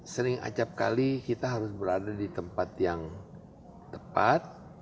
sering acapkali kita harus berada di tempat yang tepat